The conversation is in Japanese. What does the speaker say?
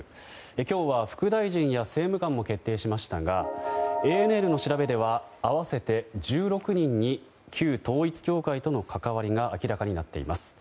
今日は副大臣や政務官も決定しましたがＡＮＮの調べでは合わせて１６人に旧統一教会との関わりが明らかになっています。